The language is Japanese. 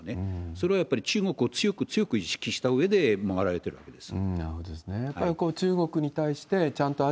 それはやっぱり中国を強く強く意識したうえで回られてるわけです。